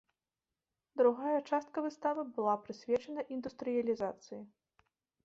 Другая частка выставы была прысвечана індустрыялізацыі.